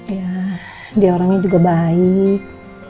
ya dia orangnya juga baik